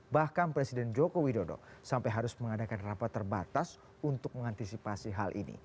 bahkan presiden joko widodo sampai harus mengadakan rapat terbatas untuk mengantisipasi hal ini